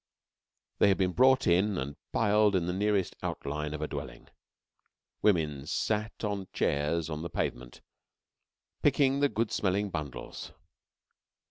They had been brought in and piled in the nearest outline of a dwelling. Women sat on chairs on the pavement, picking the good smelling bundles.